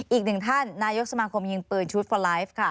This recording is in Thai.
อีกหนึ่งท่านนายกสมาคมยิงปืนชุดฟอร์ไลฟ์ค่ะ